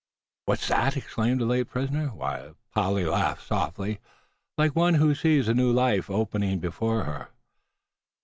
"What's that?" exclaimed the late prisoner, while Polly laughed softly, like one who sees a new life opening up before her.